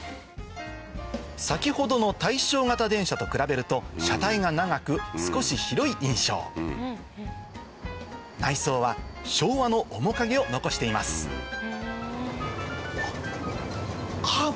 先ほどの大正形電車と比べると車体が長く少し広い印象内装は昭和の面影を残していますあっカーブ